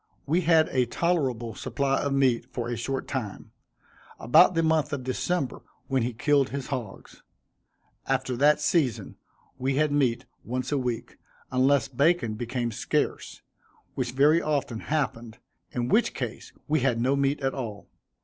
We had a tolerable supply of meat for a short time, about the month of December, when he killed his hogs. After that season we had meat once a week, unless bacon became scarce, which very often happened, in which case we had no meat at all.